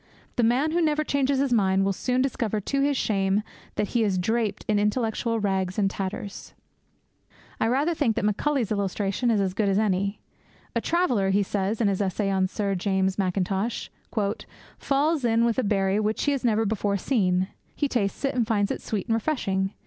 The man who never changes his mind will soon discover to his shame that he is draped in intellectual rags and tatters. I rather think that Macaulay's illustration is as good as any. 'A traveller,' he says in his essay on Sir James Mackintosh, 'falls in with a berry which he has never before seen. He tastes it, and finds it sweet and refreshing.